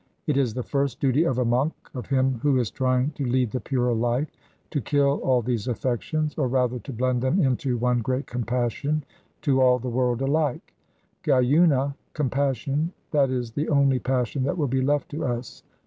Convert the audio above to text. It is the first duty of a monk, of him who is trying to lead the purer life, to kill all these affections, or rather to blend them into one great compassion to all the world alike. 'Gayüna,' compassion, that is the only passion that will be left to us.